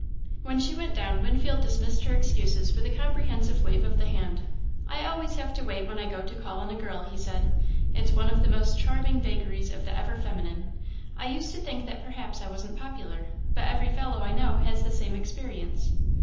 When she went down, Winfield dismissed her excuses with a comprehensive wave of the hand. "I always have to wait when I go to call on a girl," he said; "it's one of the most charming vagaries of the ever feminine. I used to think that perhaps I wasn't popular, but every fellow I know has the same experience."